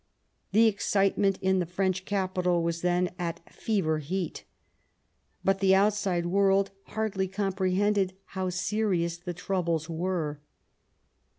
The excitement in the French capital was then at fever heat. But the outside world hardly compre hended how serious the troubles were.